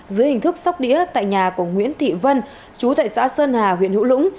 dưới hình thức sóc đĩa tại nhà của nguyễn thị vân chú tại xã sơn hà huyện hữu lũng